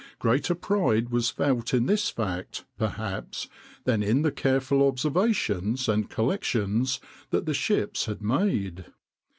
greater pride was felt in this fact, perhaps, than in the careful observations and collections that the ships had made.